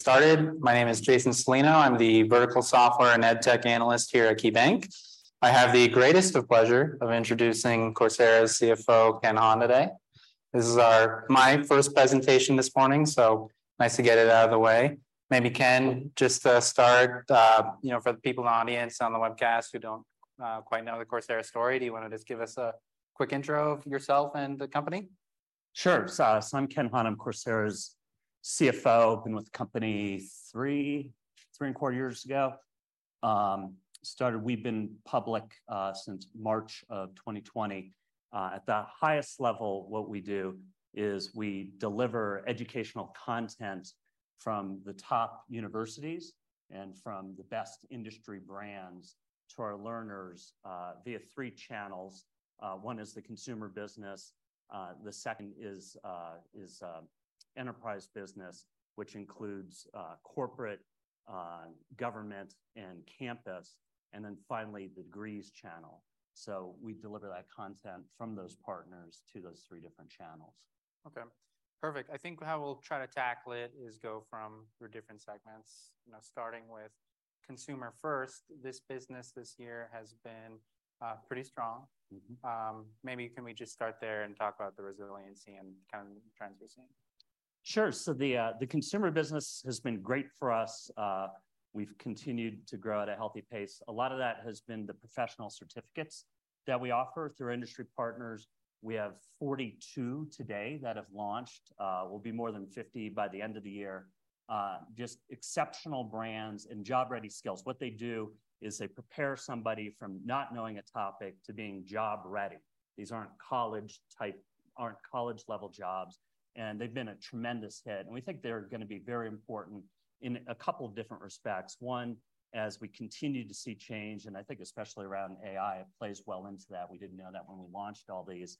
started. My name is Jason Celino. I'm the vertical software and EdTech analyst here at KeyBanc. I have the greatest of pleasure of introducing Coursera's CFO, Ken Hahn, today. This is my first presentation this morning, so nice to get it out of the way. Maybe, Ken, just to start, you know, for the people in the audience on the webcast who don't quite know the Coursera story, do you want to just give us a quick intro of yourself and the company? Sure. I'm Ken Hahn. I'm Coursera's CFO, been with the company three and a quarter years ago. We've been public since March of 2020. At the highest level, what we do is we deliver educational content from the top universities and from the best industry brands to our learners via 3 channels. One is the consumer business, the second is enterprise business, which includes corporate, government, and campus, and then finally, the degrees channel. We deliver that content from those partners to those 3 different channels. Okay, perfect. I think how we'll try to tackle it is go from your different segments, you know, starting with consumer first. This business this year has been pretty strong. Mm-hmm. Maybe can we just start there and talk about the resiliency and kind of trends we're seeing? Sure. The consumer business has been great for us. We've continued to grow at a healthy pace. A lot of that has been the professional certificates that we offer through industry partners. We have 42 today that have launched, will be more than 50 by the end of the year. Just exceptional brands and job-ready skills. What they do is they prepare somebody from not knowing a topic to being job ready. These aren't college-level jobs, and they've been a tremendous hit. We think they're gonna be very important in a couple of different respects. One, as we continue to see change, and I think especially around AI, it plays well into that. We didn't know that when we launched all these.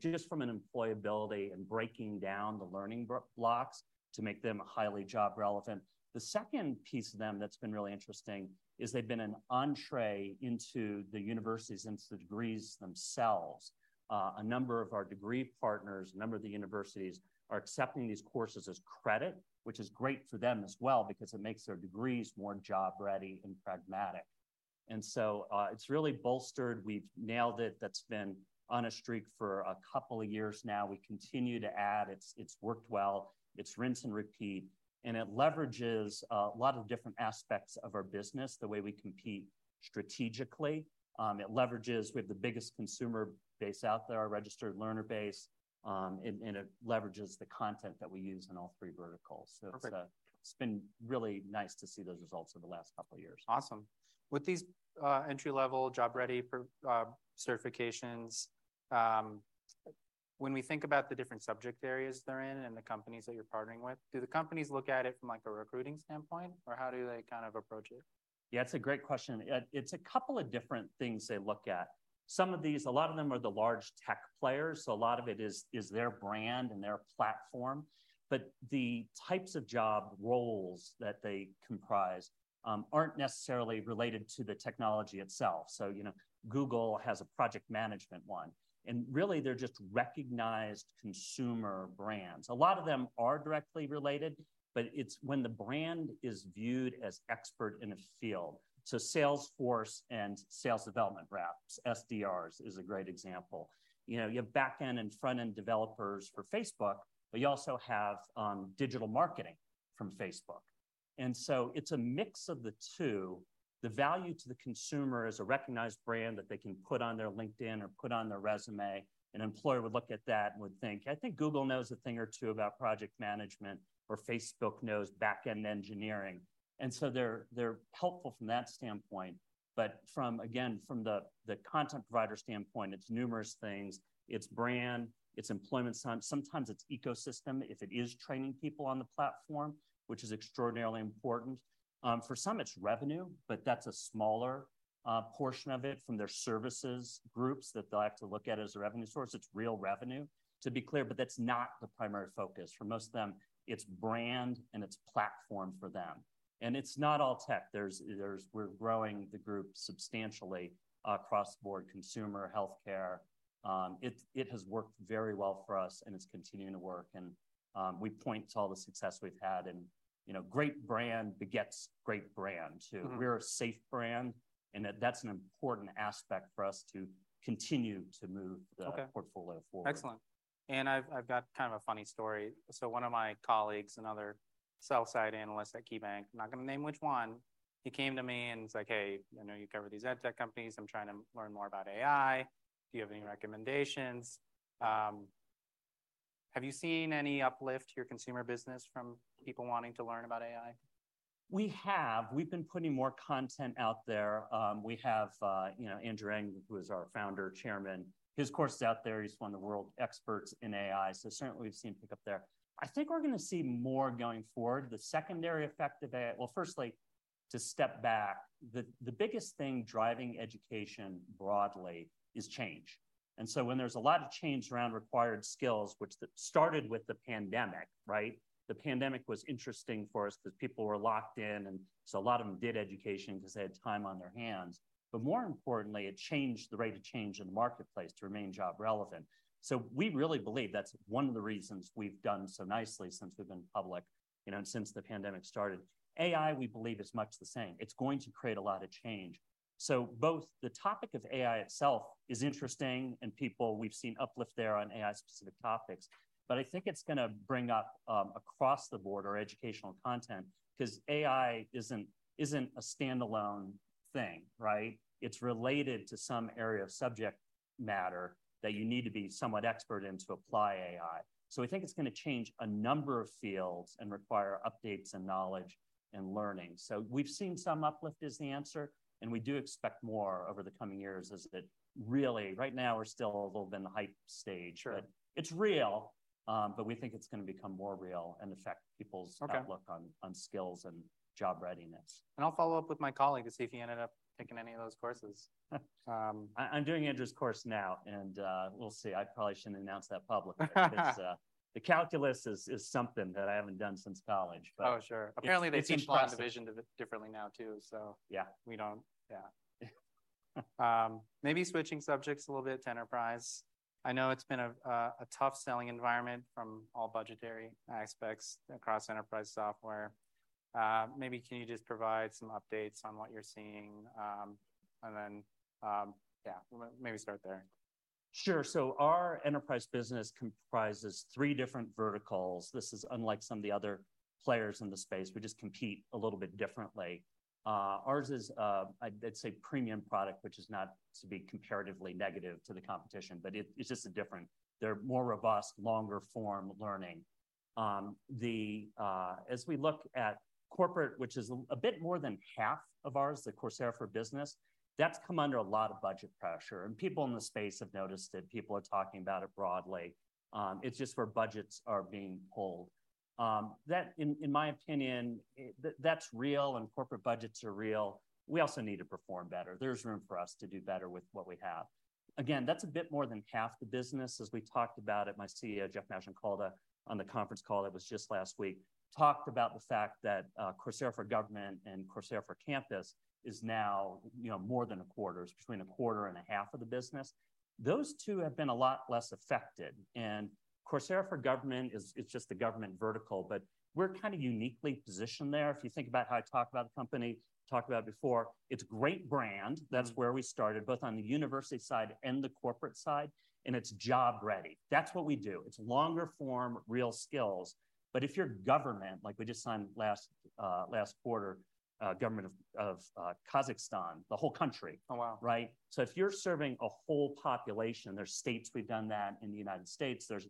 Just from an employability and breaking down the learning blocks to make them highly job relevant. The second piece of them that's been really interesting is they've been an entrée into the universities, into the degrees themselves. A number of our degree partners, a number of the universities are accepting these courses as credit, which is great for them as well because it makes their degrees more job ready and pragmatic. It's really bolstered. We've nailed it. That's been on a streak for a couple of years now. We continue to add. It's worked well, it's rinse and repeat, and it leverages a lot of different aspects of our business, the way we compete strategically. it leverages-- we have the biggest consumer base out there, our registered learner base, and it leverages the content that we use in all three verticals. Perfect. It's been really nice to see those results over the last couple of years. Awesome. With these, entry-level, job-ready for, certifications, when we think about the different subject areas they're in and the companies that you're partnering with, do the companies look at it from, like, a recruiting standpoint, or how do they kind of approach it? Yeah, it's a great question, and it's a couple of different things they look at. Some of these, a lot of them are the large tech players, so a lot of it is, is their brand and their platform. The types of job roles that they comprise aren't necessarily related to the technology itself. You know, Google has a project management one, and really, they're just recognized consumer brands. A lot of them are directly related, but it's when the brand is viewed as expert in a field. Salesforce and sales development reps, SDRs, is a great example. You know, you have backend and front-end developers for Facebook, but you also have digital marketing from Facebook. It's a mix of the two. The value to the consumer is a recognized brand that they can put on their LinkedIn or put on their resume. An employer would look at that and would think, "I think Google knows a thing or two about project management, or Facebook knows backend engineering." They're, they're helpful from that standpoint, but from, again, from the content provider standpoint, it's numerous things. It's brand, it's employment, sometimes it's ecosystem, if it is training people on the platform, which is extraordinarily important. For some, it's revenue, but that's a smaller portion of it from their services groups that they'll have to look at as a revenue source. It's real revenue, to be clear, but that's not the primary focus. For most of them, it's brand and it's platform for them. It's not all tech. There's we're growing the group substantially across the board, consumer, healthcare. It has worked very well for us, and it's continuing to work, and, we point to all the success we've had. You know, great brand begets great brand, too. Mm-hmm. We're a safe brand, and that's an important aspect for us to continue to move... Okay... portfolio forward. Excellent. I've got kind of a funny story. One of my colleagues, another sell-side analyst at KeyBanc, I'm not going to name which one, he came to me and he's like: "Hey, I know you cover these EdTech companies. I'm trying to learn more about AI. Do you have any recommendations?" Have you seen any uplift to your consumer business from people wanting to learn about AI? We have. We've been putting more content out there. We have, you know, Andrew Ng, who is our founder, chairman. His course is out there. He's one of the world experts in AI, so certainly we've seen pick up there. I think we're going to see more going forward. The secondary effect of AI, well, firstly, to step back, the biggest thing driving education broadly is change. When there's a lot of change around required skills, which that started with the pandemic, right? The pandemic was interesting for us because people were locked in, and so a lot of them did education because they had time on their hands. More importantly, it changed the rate of change in the marketplace to remain job relevant. We really believe that's one of the reasons we've done so nicely since we've been public, you know, and since the pandemic started. AI, we believe, is much the same. It's going to create a lot of change. Both the topic of AI itself is interesting, and people, we've seen uplift there on AI-specific topics, but I think it's going to bring up across the board our educational content, because AI isn't a standalone thing, right? It's related to some area of subject matter that you need to be somewhat expert in to apply AI. We think it's going to change a number of fields and require updates and knowledge and learning. We've seen some uplift is the answer, and we do expect more over the coming years as it really. Right now, we're still a little bit in the hype stage. Sure. It's real, but we think it's going to become more real and affect people's... Okay outlook on skills and job readiness. I'll follow up with my colleague to see if he ended up taking any of those courses. I'm doing Andrew's course now, and we'll see. I probably shouldn't announce that publicly. It's the calculus is, is something that I haven't done since college, but- Oh, sure. It's impressive. Apparently, they teach long division differently now, too, so- Yeah. Yeah. Maybe switching subjects a little bit to enterprise. I know it's been a, a tough selling environment from all budgetary aspects across enterprise software. Maybe can you just provide some updates on what you're seeing? Yeah, maybe start there. Sure. Our enterprise business comprises three different verticals. This is unlike some of the other players in the space. We just compete a little bit differently. Ours is, I'd say, premium product, which is not to be comparatively negative to the competition, but it's just a different. They're more robust, longer-form learning. The as we look at corporate, which is a bit more than half of ours, the Coursera for Business, that's come under a lot of budget pressure, and people in the space have noticed it. People are talking about it broadly. It's just where budgets are being pulled. That, in my opinion, that's real, and corporate budgets are real. We also need to perform better. There's room for us to do better with what we have. Again, that's a bit more than half the business, as we talked about it. My CEO, Jeff Maggioncalda, on the conference call that was just last week, talked about the fact that Coursera for Government and Coursera for Campus is now, you know, more than a quarter. It's between a quarter and a half of the business. Those two have been a lot less affected, and Coursera for Government, it's just the government vertical, but we're kind of uniquely positioned there. If you think about how I talk about the company, talked about it before, it's a great brand. Mm. That's where we started, both on the university side and the corporate side. It's job ready. That's what we do. It's longer form, real skills. If you're government, like we just signed last, last quarter, government of, of Kazakhstan, the whole country. Oh, wow. Right? If you're serving a whole population, there's states we've done that in the United States, there's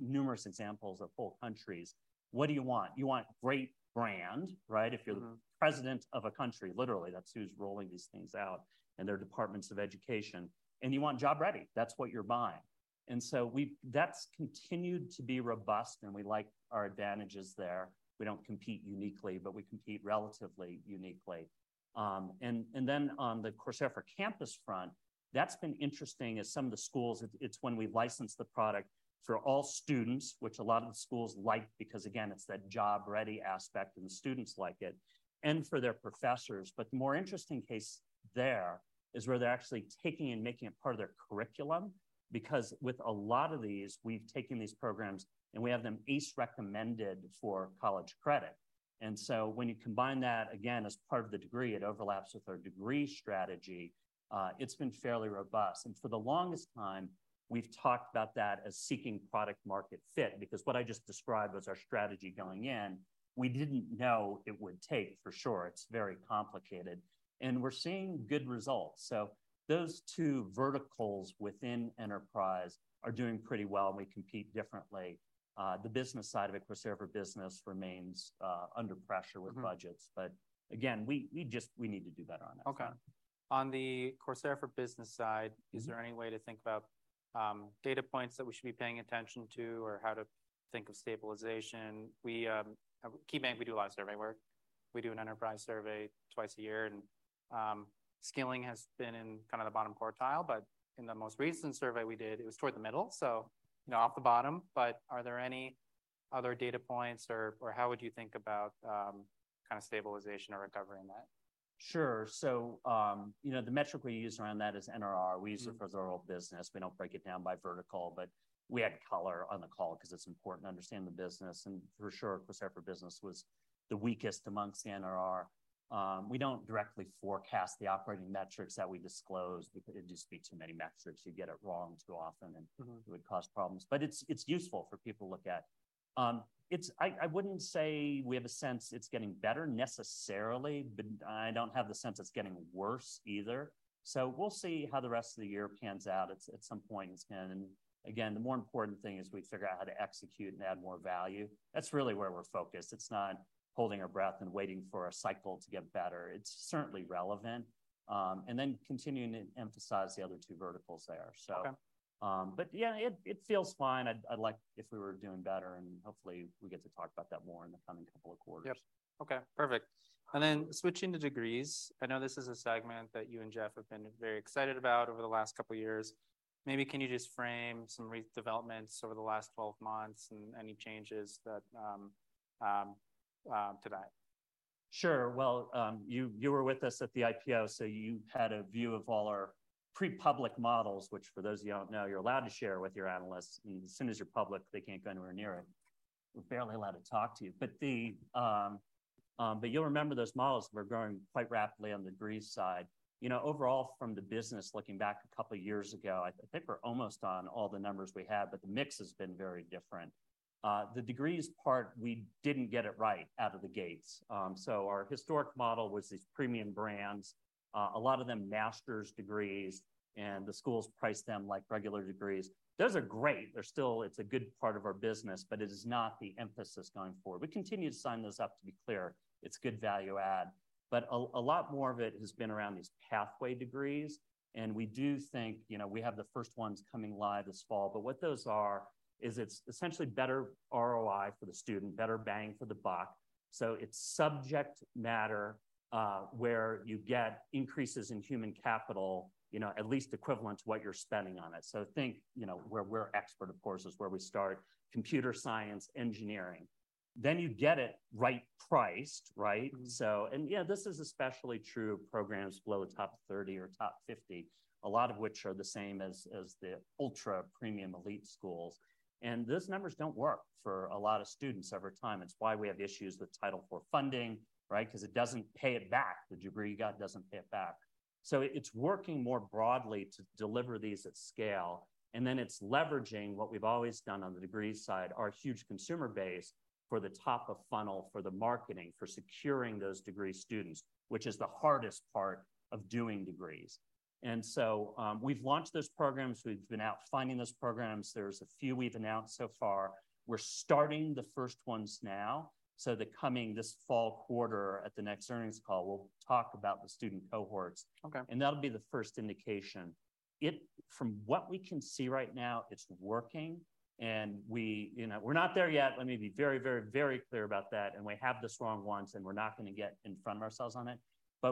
numerous examples of whole countries. What do you want? You want great brand, right? Mm-hmm. If you're the president of a country, literally, that's who's rolling these things out, they're Departments of Education, and you want job-ready. That's what you're buying. That's continued to be robust, and we like our advantages there. We don't compete uniquely, but we compete relatively uniquely. On the Coursera Campus front, that's been interesting as some of the schools when we license the product for all students, which a lot of the schools like, because again, it's that job-ready aspect, and the students like it, and for their professors. The more interesting case there is where they're actually taking and making it part of their curriculum, because with a lot of these, we've taken these programs, and we have them ACE recommended for college credit. When you combine that, again, as part of the degree, it overlaps with our degree strategy, it's been fairly robust. For the longest time, we've talked about that as seeking product-market fit, because what I just described was our strategy going in. We didn't know it would take for sure. It's very complicated, and we're seeing good results. Those two verticals within enterprise are doing pretty well, and we compete differently. The business side of it, Coursera for Business, remains under pressure... Mm-hmm... with budgets, but again, we, we just, we need to do better on that side. Okay. On the Coursera for Business side- Mm-hmm is there any way to think about, data points that we should be paying attention to or how to think of stabilization? We, at KeyBanc, we do a lot of survey work. We do an enterprise survey twice a year, and, skilling has been in kind of the bottom quartile, but in the most recent survey we did, it was toward the middle, so, you know, off the bottom. Are there any other data points, or, or how would you think about, kind of stabilization or recovery in that? Sure. you know, the metric we use around that is NRR. Mm-hmm. We use it for the overall business. We don't break it down by vertical, but we had color on the call because it's important to understand the business, and for sure, Coursera for Business was the weakest amongst the NRR. We don't directly forecast the operating metrics that we disclose. It'd just be too many metrics. You'd get it wrong too often. Mm-hmm... it would cause problems, but it's useful for people to look at. I wouldn't say we have a sense it's getting better necessarily, but I don't have the sense it's getting worse either. We'll see how the rest of the year pans out at some point. Again, the more important thing is we figure out how to execute and add more value. That's really where we're focused. It's not holding our breath and waiting for a cycle to get better. It's certainly relevant, and then continuing to emphasize the other two verticals there so. Okay. Yeah, it feels fine. I'd like if we were doing better, and hopefully, we get to talk about that more in the coming couple of quarters. Yep. Okay, perfect. Then switching to degrees, I know this is a segment that you and Jeff have been very excited about over the last couple of years. Maybe can you just frame some developments over the last 12 months and any changes that to that? Sure. Well, you, you were with us at the IPO, so you had a view of all our pre-public models, which for those of you who don't know, you're allowed to share with your analysts. I mean, as soon as you're public, they can't go anywhere near it. We're barely allowed to talk to you. The, but you'll remember those models were growing quite rapidly on the degrees side. You know, overall, from the business, looking back two years ago, I think we're almost on all the numbers we had, but the mix has been very different. The degrees part, we didn't get it right out of the gates. Our historic model was these premium brands, a lot of them master's degrees, and the schools priced them like regular degrees. Those are great. They're still. It's a good part of our business, but it is not the emphasis going forward. We continue to sign those up, to be clear. It's good value add, but a lot more of it has been around these pathway degrees, and we do think, you know, we have the first ones coming live this fall. What those are is it's essentially better ROI for the student, better bang for the buck. It's subject matter, where you get increases in human capital, you know, at least equivalent to what you're spending on it. Think, you know, where we're expert, of course, is where we start, computer science, engineering. You get it right priced, right? Mm-hmm. Yeah, this is especially true of programs below the top 30 or top 50, a lot of which are the same as, as the ultra-premium elite schools. Those numbers don't work for a lot of students over time. It's why we have issues with Title IV funding, right? Because it doesn't pay it back. The degree you got doesn't pay it back. It's working more broadly to deliver these at scale, and then it's leveraging what we've always done on the degree side, our huge consumer base, for the top of funnel, for the marketing, for securing those degree students, which is the hardest part of doing degrees. We've launched those programs. We've been out finding those programs. There's a few we've announced so far. We're starting the first ones now, so that coming this fall quarter, at the next earnings call, we'll talk about the student cohorts. Okay. That'll be the first indication. From what we can see right now, it's working. We, you know, we're not there yet. Let me be very, very, very clear about that. We have the strong ones. We're not going to get in front of ourselves on it.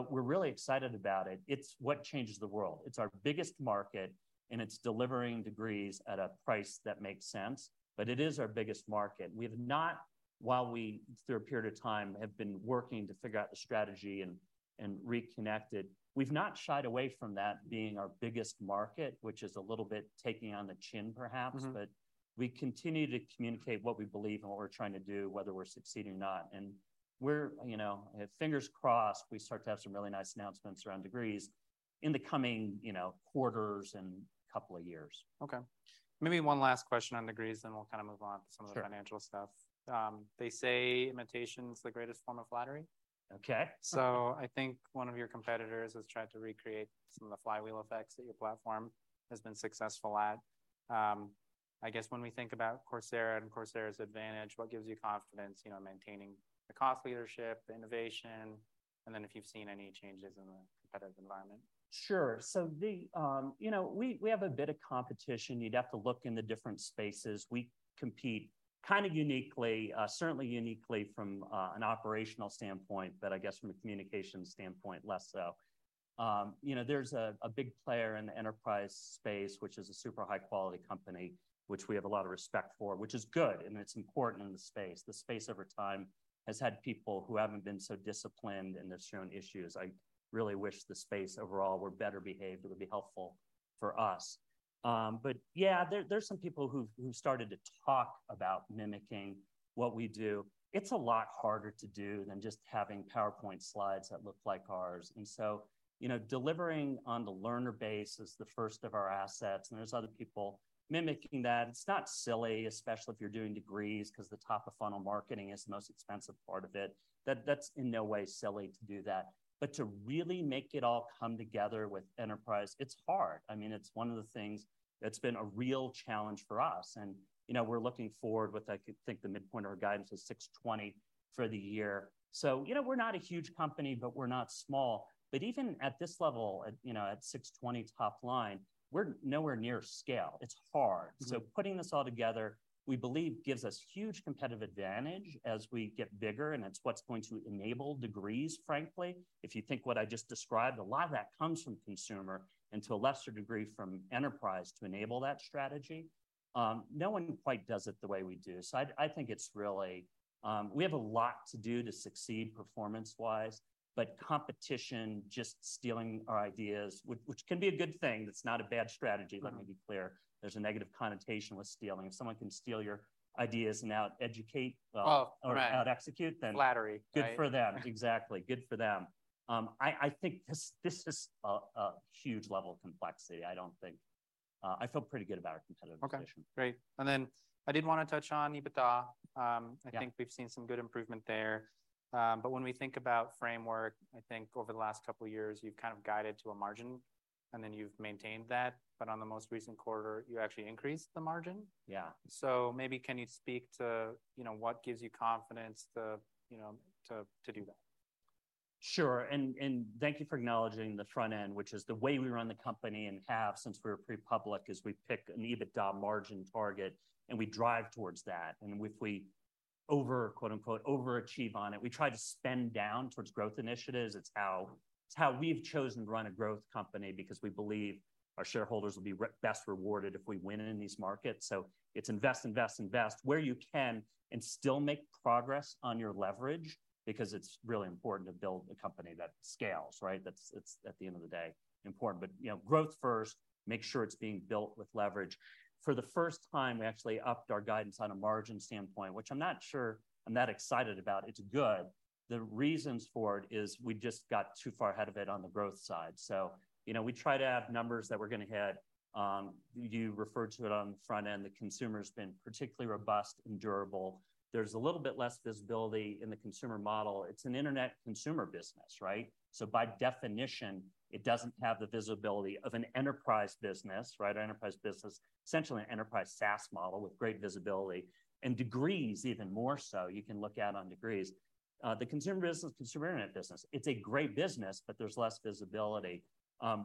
We're really excited about it. It's what changes the world. It's our biggest market. It's delivering degrees at a price that makes sense. It is our biggest market. We have not, while we, through a period of time, have been working to figure out the strategy and, and reconnected, we've not shied away from that being our biggest market, which is a little bit taking on the chin, perhaps. Mm-hmm. We continue to communicate what we believe and what we're trying to do, whether we're succeeding or not. We're, you know, if fingers crossed, we start to have some really nice announcements around degrees in the coming, you know, quarters and couple of years. Okay. Maybe one last question on degrees, then we'll kind of move on to some of the- Sure... financial stuff. They say imitation is the greatest form of flattery. Okay. I think one of your competitors has tried to recreate some of the flywheel effects that your platform has been successful at. I guess when we think about Coursera and Coursera's advantage, what gives you confidence, you know, in maintaining the cost leadership, innovation, and then if you've seen any changes in the competitive environment? Sure. The, you know, we, we have a bit of competition. You'd have to look in the different spaces. We compete kind of uniquely, certainly uniquely from an operational standpoint, but I guess from a communication standpoint, less so. You know, there's a big player in the enterprise space, which is a super high-quality company, which we have a lot of respect for, which is good, and it's important in the space. The space, over time, has had people who haven't been so disciplined and have shown issues. I really wish the space overall were better behaved. It would be helpful for us. Yeah, there, there's some people who've, who've started to talk about mimicking what we do. It's a lot harder to do than just having PowerPoint slides that look like ours. So, you know, delivering on the learner base is the first of our assets, and there's other people mimicking that. It's not silly, especially if you're doing degrees, because the top-of-funnel marketing is the most expensive part of it. That's in no way silly to do that. To really make it all come together with enterprise, it's hard. I mean, it's one of the things that's been a real challenge for us. You know, we're looking forward with, I think, the midpoint of our guidance is $620 for the year. You know, we're not a huge company, but we're not small. Even at this level, at, you know, at $620 top line, we're nowhere near scale. It's hard. Mm-hmm. Putting this all together, we believe, gives us huge competitive advantage as we get bigger, and it's what's going to enable degrees, frankly. If you think what I just described, a lot of that comes from consumer and to a lesser degree, from enterprise, to enable that strategy. No one quite does it the way we do. I think it's really, we have a lot to do to succeed performance-wise, but competition, just stealing our ideas, which, which can be a good thing. That's not a bad strategy. Mm-hmm... let me be clear. There's a negative connotation with stealing. If someone can steal your ideas and out-educate- Oh, right.... or out-execute, then- Flattery, right? Good for them. Exactly. Good for them. I, I think this, this is a, a huge level of complexity. I feel pretty good about our competitive position. Okay, great. I did want to touch on EBITDA. Yeah. I think we've seen some good improvement there. When we think about framework, I think over the last couple of years, you've kind of guided to a margin, then you've maintained that. On the most recent quarter, you actually increased the margin. Yeah. Maybe can you speak to, you know, what gives you confidence to, you know, to do that? Sure. Thank you for acknowledging the front end, which is the way we run the company and have since we were pre-public, is we pick an EBITDA margin target, and we drive towards that. If we overachieve on it. We try to spend down towards growth initiatives. It's how, it's how we've chosen to run a growth company, because we believe our shareholders will be best rewarded if we win in these markets. It's invest, invest, invest where you can and still make progress on your leverage, because it's really important to build a company that scales, right? That's, it's, at the end of the day, important. You know, growth first, make sure it's being built with leverage. For the first time, we actually upped our guidance on a margin standpoint, which I'm not sure I'm that excited about. It's good. The reasons for it is we just got too far ahead of it on the growth side. You know, we try to have numbers that we're gonna hit. You referred to it on the front end, the consumer's been particularly robust and durable. There's a little bit less visibility in the consumer model. It's an internet consumer business, right? By definition, it doesn't have the visibility of an enterprise business, right? An enterprise business, essentially an enterprise SaaS model with great visibility, and degrees even more so. You can look out on degrees. The consumer business, consumer internet business, it's a great business, but there's less visibility.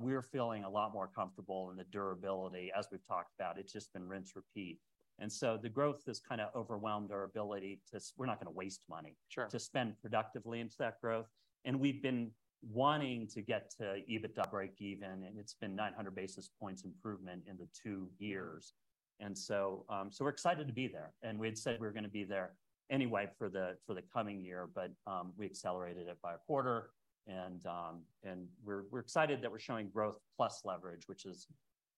We're feeling a lot more comfortable in the durability. As we've talked about, it's just been rinse, repeat. The growth has kind of overwhelmed our ability to-- we're not going to waste money- Sure... to spend productively into that growth. We've been wanting to get to EBITDA break even, and it's been 900 basis points improvement in the 2 years. So we're excited to be there. We had said we were going to be there anyway for the, for the coming year, but we accelerated it by a quarter. We're, we're excited that we're showing growth plus leverage, which is...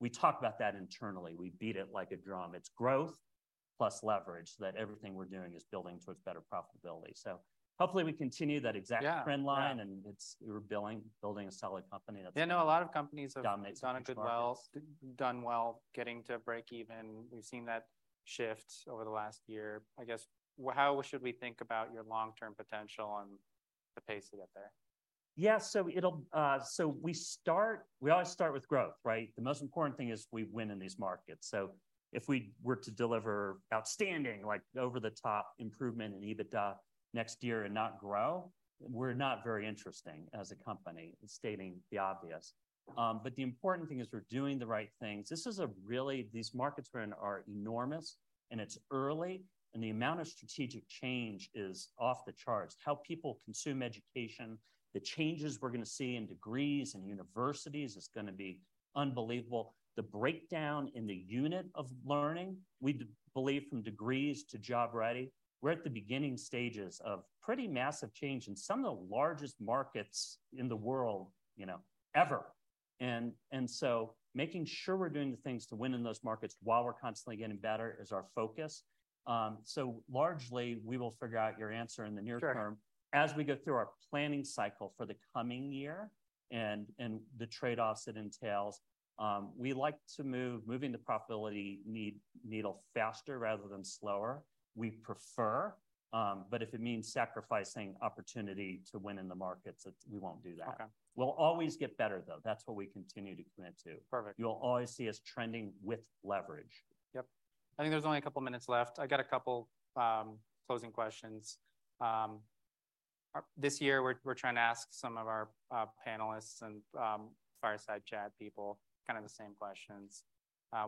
We talk about that internally. We beat it like a drum. It's growth plus leverage, that everything we're doing is building towards better profitability. Hopefully, we continue that exact- Yeah... trend line, and it's, we're building, building a solid company. Yeah, I know a lot of companies have- Dominate... done it well, done well, getting to break even. We've seen that shift over the last year. I guess, how should we think about your long-term potential and the pace to get there? Yeah, it'll, we start, we always start with growth, right? The most important thing is we win in these markets. If we were to deliver outstanding, like, over-the-top improvement in EBITDA next year and not grow, we're not very interesting as a company in stating the obvious. The important thing is we're doing the right things. This is a really, these markets we're in are enormous, and it's early, and the amount of strategic change is off the charts. How people consume education, the changes we're going to see in degrees and universities is going to be unbelievable. The breakdown in the unit of learning, we believe from degrees to job ready, we're at the beginning stages of pretty massive change in some of the largest markets in the world, you know, ever. Making sure we're doing the things to win in those markets while we're constantly getting better is our focus. Largely, we will figure out your answer in the near term. Sure... as we go through our planning cycle for the coming year and, and the trade-offs it entails. We like to move, moving the profitability needle faster rather than slower, we prefer, but if it means sacrificing opportunity to win in the markets, we won't do that. Okay. We'll always get better, though. That's what we continue to commit to. Perfect. You'll always see us trending with leverage. Yep. I think there's only a couple of minutes left. I got a couple closing questions. This year, we're, we're trying to ask some of our panelists and fireside chat people kind of the same questions.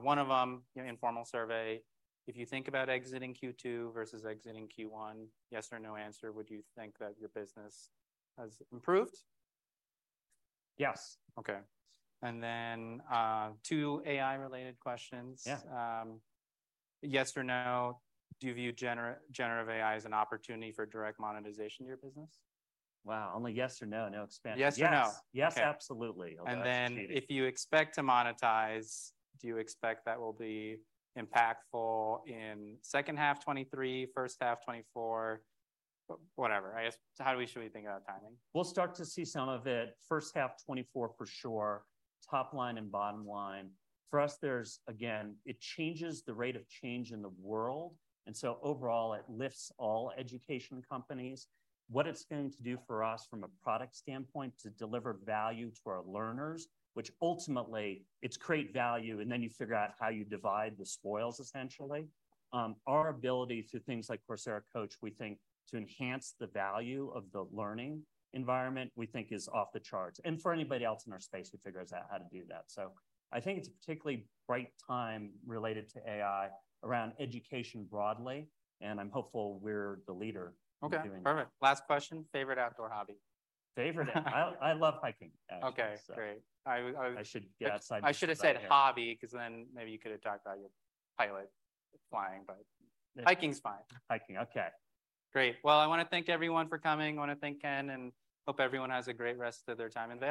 One of them, you know, informal survey: If you think about exiting Q2 versus exiting Q1, yes or no answer, would you think that your business has improved? Yes. Okay. Then, two AI-related questions. Yeah. Yes or no, do you view generative AI as an opportunity for direct monetization in your business? Wow, only yes or no, no expansion. Yes or no. Yes! Okay. Yes, absolutely. And then- It's cheating. if you expect to monetize, do you expect that will be impactful in second half 2023, first half 2024? Whatever. I guess, how should we think about timing? We'll start to see some of it first half 2024, for sure, top line and bottom line. For us, there's, again, it changes the rate of change in the world, and so overall, it lifts all education companies. What it's going to do for us from a product standpoint to deliver value to our learners, which ultimately, it's create value, and then you figure out how you divide the spoils, essentially. Our ability through things like Coursera Coach, we think, to enhance the value of the learning environment, we think is off the charts. For anybody else in our space who figures out how to do that. I think it's a particularly bright time related to AI around education broadly, and I'm hopeful we're the leader. Okay in doing it. Perfect. Last question, favorite outdoor hobby? I love hiking, actually. Okay, great. I should get outside. I should have said hobby, because then maybe you could have talked about your pilot flying, but hiking is fine. Hiking, okay. Great. Well, I want to thank everyone for coming. I want to thank Ken, and hope everyone has a great rest of their time in Vail.